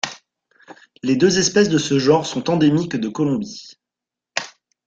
Les deux espèces de ce genre sont endémiques de Colombie.